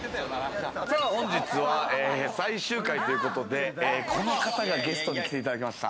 本日は最終回ということで、この方がゲストに来ていただきました。